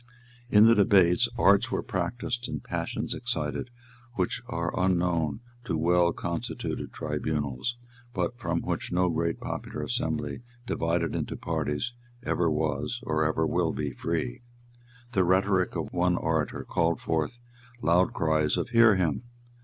In the debates arts were practised and passions excited which are unknown to well constituted tribunals, but from which no great popular assembly divided into parties ever was or ever will be free. The rhetoric of one orator called forth loud cries of "Hear him."